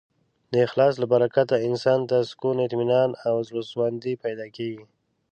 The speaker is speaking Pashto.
د اخلاص له برکته انسان ته سکون، اطمینان او زړهسواندی پیدا کېږي.